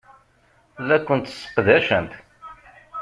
La kent-sseqdacent.